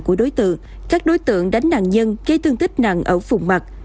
của đối tượng các đối tượng đánh nạn nhân gây thương tích nạn ở phùng mặt